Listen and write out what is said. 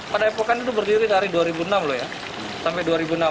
pak depokan itu berdiri dari dua ribu enam sampai dua ribu enam belas